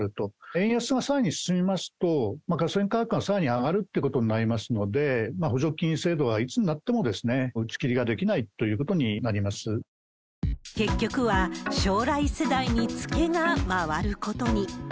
円安がさらに進みますと、ガソリン価格がさらに上がるってことになりますので、補助金制度はいつになっても打ち切りができないということになり結局は、将来世代に付けが回ることに。